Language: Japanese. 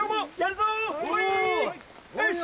よし！